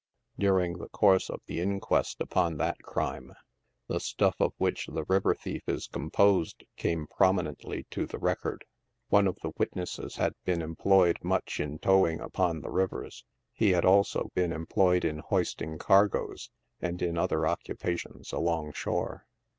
During the course of the inquest upon that crime, the stuff of which the river thief is composed came prominently to the record. One of the witnesses had been em ployed much in towing upon the rivers. He had also been em ployed in hoisting cargoes, and in other occupations alongshore.